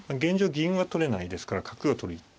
銀は取れないですから角を取る一手。